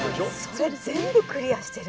それ全部クリアしてる。